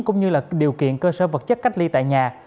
cũng như là điều kiện cơ sở vật chất cách ly tại nhà